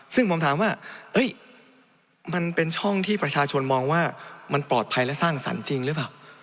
ซึ่งผมถามว่ามันเป็นช่องที่ประชาชนมองว่ามันปลอดภัยและสร้างสรรค์จริงหรือเปล่า